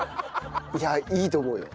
いやいいと思うよ。